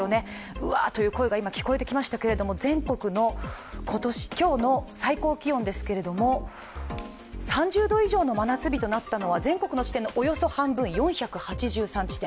うわっという声が今、聞こえてきましたけども、全国の今年、最高気温ですけれども３０度以上の真夏日となったのが、全国の地点のおよそ半分４８３の地点。